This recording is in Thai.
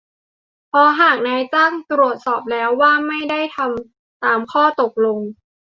เพราะหากนายจ้างตรวจสอบแล้วพบว่าไม่ได้ทำตามข้อตกลง